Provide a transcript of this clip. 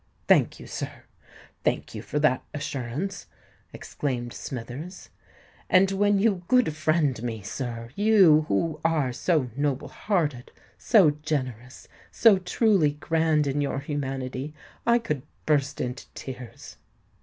"Thank you, sir,—thank you for that assurance," exclaimed Smithers; "and when you good friend me, sir—you, who are so noble hearted, so generous, so truly grand in your humanity—I could burst into tears."